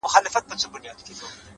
حقیقت خپله لاره خپله جوړوي!